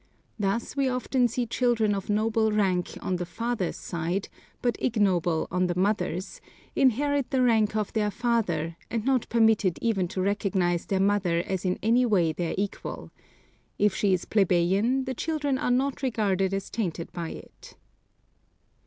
Thus we often see children of noble rank on the father's side, but ignoble on the mother's, inherit the rank of their father, and not permitted even to recognize their mother as in any way their equal. If she is plebeian, the children are not regarded as tainted by it.